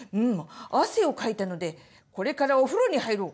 汗をかいたのでこれからお風呂に入ろう。